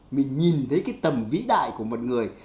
mình nhìn thấy cái tầm vĩ đại của một người